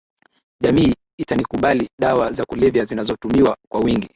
jamii itanikubaliDawa za kulevya zinazotumiwa kwa wingi